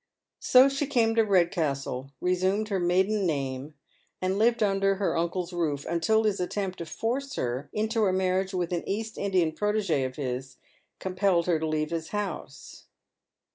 So she came to Eedcastle, resumed her maiden name, and lived under her uncle's roof, until his attempt to force her into a marriage with an East Indian protege of his compelled her to leave his house."